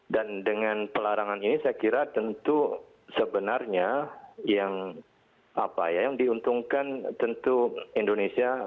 dan dengan pelarangan ini saya kira tentu sebenarnya yang apa ya yang diuntungkan tentu indonesia